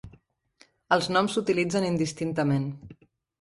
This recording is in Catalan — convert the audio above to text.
Els noms s'utilitzen indistintament.